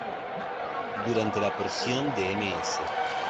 Durante la porción de Ms.